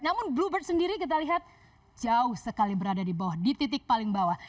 namun bluebird sendiri kita lihat jauh sekali berada di bawah di titik paling bawah